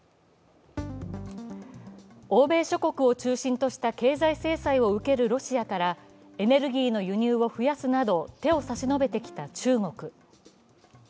欧米諸国を中心とした経済制裁を受けるロシアからエネルギーの輸入を増やすなど手を差し伸べてきた中国。